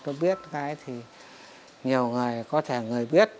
nhiều người có thể người biết